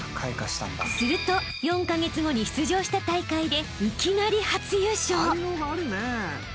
［すると４カ月後に出場した大会でいきなり初優勝］